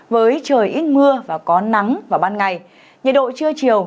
với trời ít mưa và có nắng vào ban ngày nhiệt độ trưa chiều